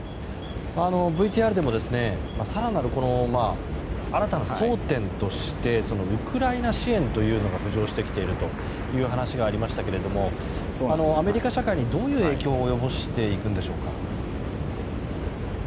ＶＴＲでも更なる新たな争点としてウクライナ支援というのが浮上してきているという話がありましたけれどもアメリカ社会に、どういう影響を及ぼしていくのでしょうか。